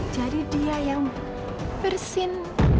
jadi dia yang bersin